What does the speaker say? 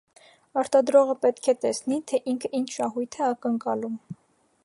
Արտադրողը պետք է տեսնի, թե ինքը ինչ շահույթ է ակնկալում։